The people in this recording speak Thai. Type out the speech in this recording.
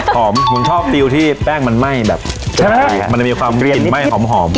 หอมนึกชอบที่แป้งมันไหม้แบบใช่ไหมมันด้วยมีความกลิ่นไหม้หอมหอม